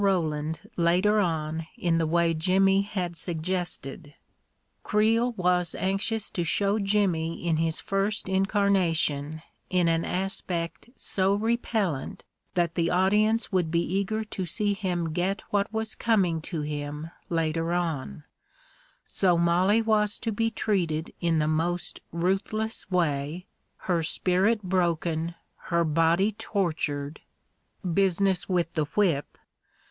Roland later on in the way Jimmy had suggested. Creel was anxious to show Jimmy in his first incarnation in an aspect so repellant that the audience would be eager to see him get what was coming to him later on ; so Mollie was to be treated in the most ruthless way, her spirit broken, her body tortured — business with the whip